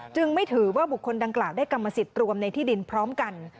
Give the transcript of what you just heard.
ไม่ถือว่าบุคคลดังกล่าวได้กรรมสิทธิ์รวมในที่ดินพร้อมกัน